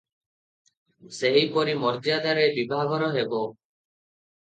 ସେହିପରି ମର୍ଯ୍ୟାଦାରେ ବିଭାଘର ହେବ ।